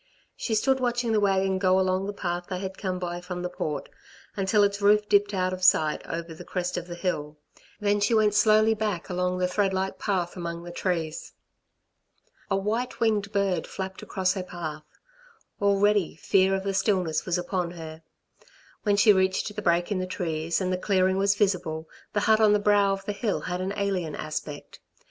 She stood watching the wagon go along the path they had come by from the Port, until its roof dipped out of sight over the crest of the hill; then she went slowly back along the threadlike path among the trees. A white winged bird flapped across her path; already fear of the stillness was upon her. When she reached the break in the trees and the clearing was visible, the hut on the brow of the hill had an alien aspect.